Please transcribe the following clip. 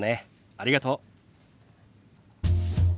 ありがとう。